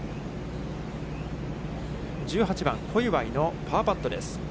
１８番、小祝のパーパットです。